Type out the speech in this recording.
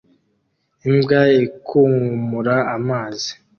Imbwa ikunkumura amazi